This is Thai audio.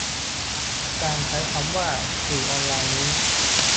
การใช้คำว่า "สื่อออนไลน์" นี้